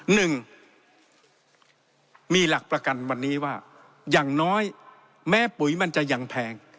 หนึ่งมีหลักประกันวันนี้ว่าอย่างน้อยแม้ปุ๋ยมันจะยังแพง